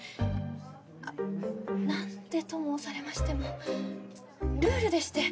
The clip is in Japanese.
あっ「何で」と申されましてもルールでして。